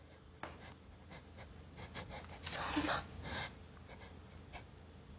そんな。